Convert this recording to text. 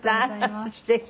すてき。